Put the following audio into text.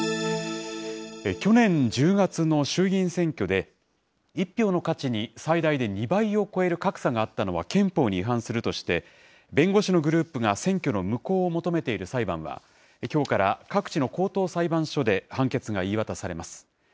去年１０月の衆議院選挙で、１票の価値に最大で２倍を超える格差があったのは憲法に違反するとして、弁護士のグループが選挙の無効を求めている裁判は、きょうから各地の高等裁判所で判決が言い渡されます。